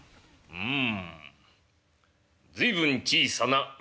うん。